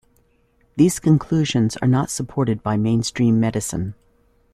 These conclusions are not supported by mainstream medicine.